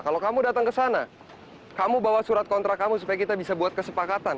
kalau kamu datang ke sana kamu bawa surat kontrak kamu supaya kita bisa buat kesepakatan